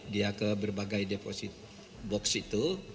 dia ke berbagai deposit box itu